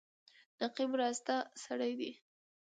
نقيب راسته سړی دی.